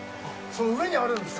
上にあるんですか？